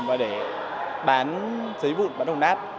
và để bán giấy bụng bán hồng nát